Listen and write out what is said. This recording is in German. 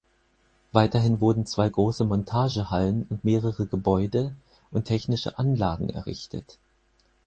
Weiterhin wurden zwei große Montagehallen und mehrere Gebäude und technische Anlagen errichtet.